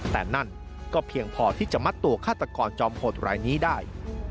แต่นั่นก็เพียงพอที่จะมัดตัวฆาตกรจอมโหดรายนี้ได้